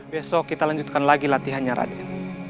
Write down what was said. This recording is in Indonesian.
besok kita lanjutkan lagi latihannya raden